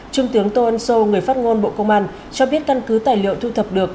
trung tướng tô ân sô người phát ngôn bộ công an cho biết căn cứ tài liệu thu thập được